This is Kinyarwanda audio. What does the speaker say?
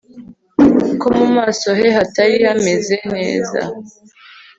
Ko mu maso he hatari haameze neza